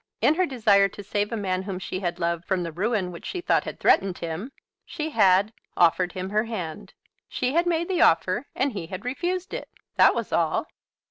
In her desire to save a man whom she had loved from the ruin which she thought had threatened him, she had offered him her hand. She had made the offer, and he had refused it! That was all.